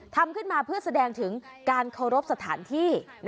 ทำขึ้นมาเพื่อแสดงถึงการเคารพสถานที่